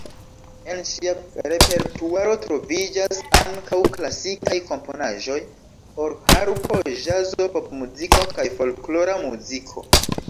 En ŝia repertuaro troviĝas ankaŭ klasikaj komponaĵoj por harpo, ĵazo, popmuziko kaj folklora muziko.